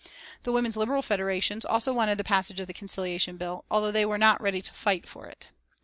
The Women's Liberal Federations also wanted the passage of the Conciliation Bill, although they were not ready to fight for it.